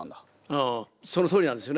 うんそのとおりなんですよね。